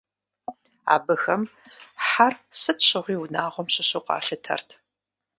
Абыхэм хьэр сыт щыгъуи унагъуэм щыщу къалъытэрт.